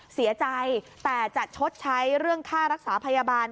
เสียใจแต่จะชดใช้เรื่องค่ารักษาพยาบาล